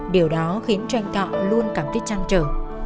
điều đó khiến cho anh thọ luôn cảm thấy chăn trở